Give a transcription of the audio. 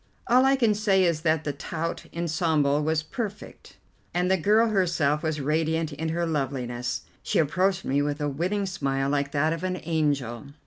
All I can say is that the tout ensemble was perfect, and the girl herself was radiant in her loveliness. She approached me with a winning smile like that of an angel.